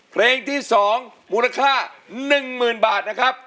เพลงที่๒มูลค่า๑๐๐๐บาทนะครับ